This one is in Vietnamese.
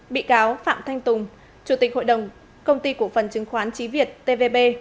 bị cáo phạm thanh tùng chủ tịch hội đồng công ty cổ phần chứng khoán trí việt tvb